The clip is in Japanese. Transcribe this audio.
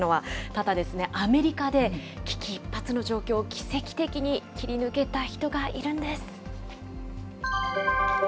ただですね、アメリカで、危機一髪の状況、奇跡的に切り抜けた人がいるんです。